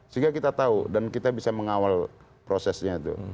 sehingga kita tahu dan kita bisa mengawal prosesnya itu